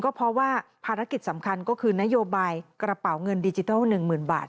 ก็เพราะว่าภารกิจสำคัญก็คือนโยบายกระเป๋าเงินดิจิทัล๑๐๐๐บาท